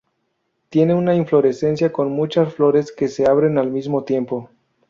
Tienen una inflorescencia con muchas flores que se abren al mismo tiempo.